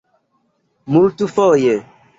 multfoje